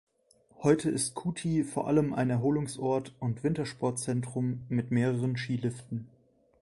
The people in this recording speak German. Heute ist Kouty vor allem ein Erholungsort und Wintersportzentrum mit mehreren Skiliften.